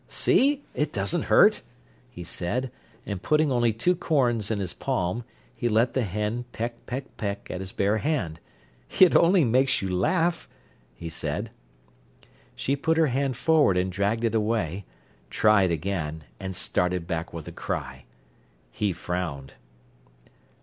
"See, it doesn't hurt," he said, and, putting only two corns in his palm, he let the hen peck, peck, peck at his bare hand. "It only makes you laugh," he said. She put her hand forward and dragged it away, tried again, and started back with a cry. He frowned.